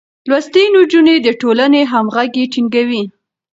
لوستې نجونې د ټولنې همغږي ټينګوي.